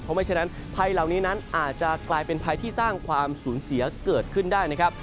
เพราะไม่ฉะนั้นภัยเหล่านี้นั้นอาจจะกลายเป็นภัยที่สร้างความสูญเสียเกิดขึ้นได้นะครับ